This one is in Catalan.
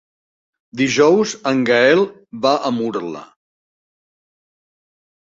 Dijous en Gaël va a Murla.